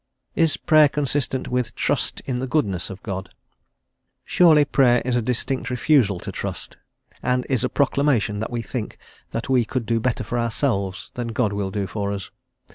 Is Prayer consistent with trust in the goodness of God? Surely Prayer is a distinct refusal to trust, and is a proclamation that we think that we could do better for ourselves than God will do for us.